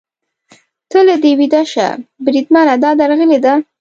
ته له دې ویده شه، بریدمنه، دا درغلي ده.